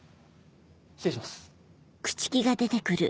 失礼します。